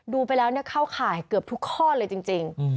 ดูไปแล้วเข้าข่ายเกือบทุกข้อเลยจริง